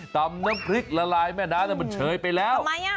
น้ำพริกละลายแม่น้ำมันเฉยไปแล้วทำไมอ่ะ